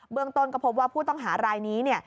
เมืองต้นก็พบว่าผู้ต้องหารายนี้